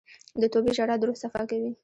د توبې ژړا د روح صفا کوي.